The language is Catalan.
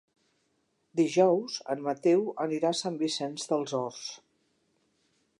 Dijous en Mateu anirà a Sant Vicenç dels Horts.